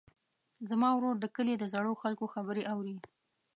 زما ورور د کلي د زړو خلکو خبرې اوري.